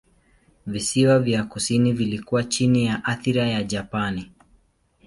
Visiwa vya kusini vilikuwa chini ya athira ya Japani.